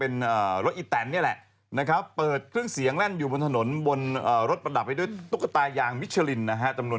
นี่ตุ๊กตาแบบไหน